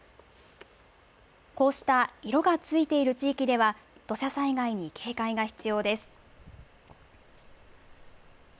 こうした、色がついている地域では、土砂災害に警戒が必要です。